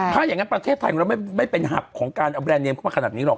ถ้าอย่างนั้นประเทศไทยของเราไม่เป็นหับของการเอาแรนดเนมเข้ามาขนาดนี้หรอก